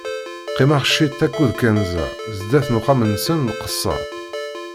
Qqimeɣ ciṭ aked kenza sdat n uxxam-nsen nqesser.